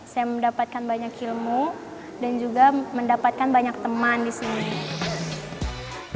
saya mendapatkan banyak ilmu dan juga mendapatkan banyak teman di sini